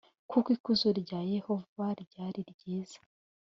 kuko ikuzo rya yehova ryari ryiza